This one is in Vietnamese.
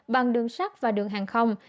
bằng đường sắt và đường hàng không